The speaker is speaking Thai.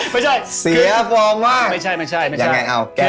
ไม่ใช่คือยังไงเอาแก้ตัวเสียฟองมากไม่ใช่